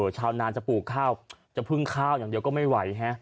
ชาวนานจะปลูกข้าวจะพึ่งข้าวอย่างเดียวก็ไม่ไหวฮะ